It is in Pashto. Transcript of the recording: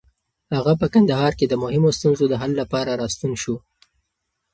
هغه په کندهار کې د مهمو ستونزو د حل لپاره راستون شو.